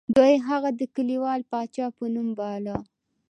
دوی هغه د کلیوال پاچا په نوم باله.